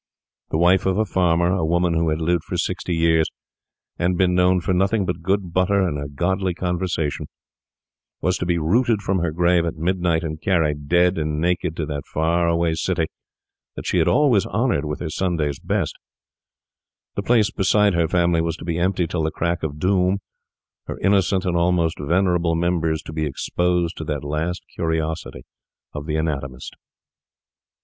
The wife of a farmer, a woman who had lived for sixty years, and been known for nothing but good butter and a godly conversation, was to be rooted from her grave at midnight and carried, dead and naked, to that far away city that she had always honoured with her Sunday's best; the place beside her family was to be empty till the crack of doom; her innocent and almost venerable members to be exposed to that last curiosity of the anatomist.